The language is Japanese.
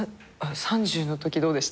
３０のときどうでした？